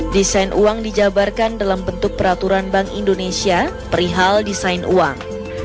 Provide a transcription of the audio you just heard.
desain uang dijabarkan dalam bentuk peraturan bank indonesia perihal desain uang